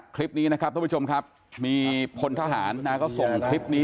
คลิปนี้นะครับท่านผู้ชมครับมีพลทหารนะก็ส่งคลิปนี้